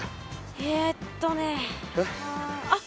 えっとねうんあっ